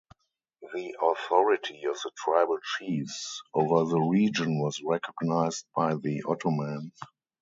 The authority of the tribal chiefs over the region was recognized by the Ottomans.